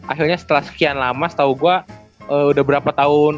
akhirnya setelah sekian lama setahu gue udah berapa tahun